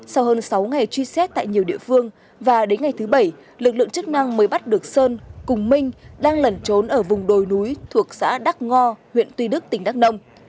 sau hơn sáu ngày truy xét tại nhiều địa phương và đến ngày thứ bảy lực lượng chức năng mới bắt được sơn cùng minh đang lẩn trốn ở vùng đồi núi thuộc xã đắc ngo huyện tuy đức tỉnh đắk nông